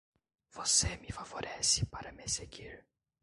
Você me favorece para me seguir.